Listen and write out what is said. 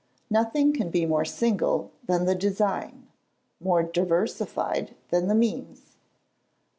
Nothing can be more single than the design; more diversified than the means.